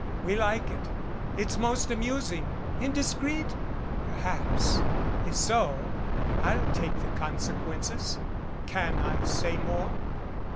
We like it. It's most amusing. Indiscreet? Per haps. If so, I'll take the consequences. Can I say more?"